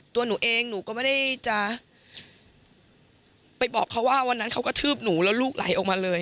ตัวหนูเองหนูก็ไม่ได้จะไปบอกเขาว่าวันนั้นเขากระทืบหนูแล้วลูกไหลออกมาเลย